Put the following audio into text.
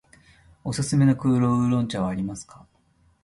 おすすめの黒烏龍茶はありますか。